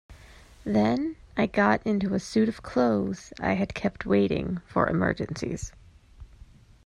Then I got into a suit of clothes I had kept waiting for emergencies.